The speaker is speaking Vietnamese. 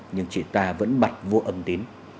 nhưng chỉ ta vẫn mặt vô âm tín